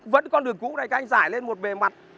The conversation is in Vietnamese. vẫn con đường cũ này các anh giải lên một bề mặt